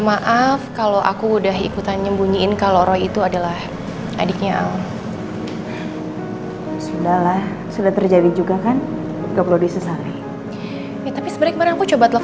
maaf kalau aku udah ikutan nyembunyiin kalau itu adalah adiknya al al sudah lah sudah